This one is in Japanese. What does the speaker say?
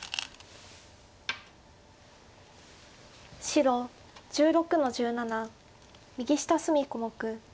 白１６の十七右下隅小目。